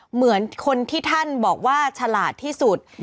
เหมือนคนที่ท่านบอกว่าฉลาดที่สุด